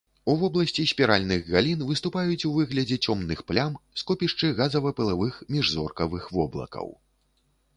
У вобласці спіральных галін выступаюць у выглядзе цёмных плям скопішчы газава-пылавых міжзоркавых воблакаў.